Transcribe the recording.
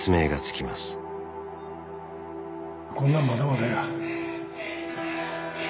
こんなんまだまだや。